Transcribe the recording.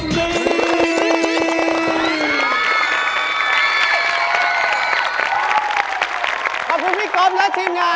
ได้ลูกสาวทุกคนบนโลกไปดี